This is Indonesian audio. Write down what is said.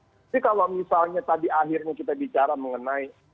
jadi kalau misalnya tadi akhirnya kita bicara mengenai